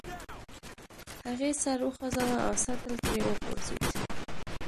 هغې سر وخوزاوه او سطل ترې وغورځید.